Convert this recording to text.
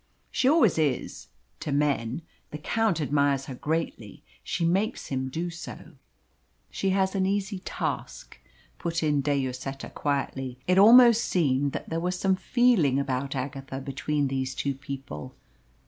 "She always is to men. The Count admires her greatly. She makes him do so." "She has an easy task," put in De Lloseta quietly. It almost seemed that there was some feeling about Agatha between these two people.